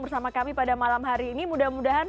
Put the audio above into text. bersama kami pada malam hari ini mudah mudahan